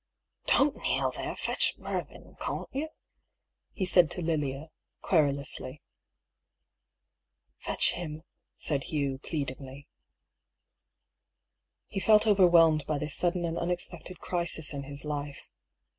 " Don't kneel there ; fetch Mervyn, can't you ?" he said to Lilia, querulously. " Fetch him," said Hugh, pleadingly. He felt overwhelmed by this sudden and unexpected crisis in his life.